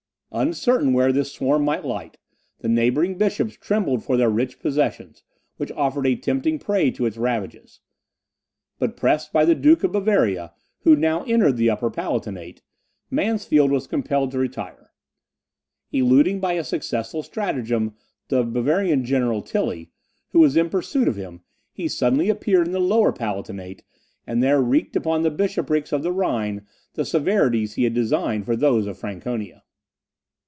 Uncertain where this swarm might light, the neighbouring bishops trembled for their rich possessions, which offered a tempting prey to its ravages. But, pressed by the Duke of Bavaria, who now entered the Upper Palatinate, Mansfeld was compelled to retire. Eluding, by a successful stratagem, the Bavarian general, Tilly, who was in pursuit of him, he suddenly appeared in the Lower Palatinate, and there wreaked upon the bishoprics of the Rhine the severities he had designed for those of Franconia.